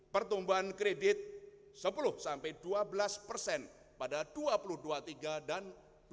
pertumbuhan kredit sepuluh sampai dua belas persen pada dua ribu dua puluh tiga dan dua ribu dua puluh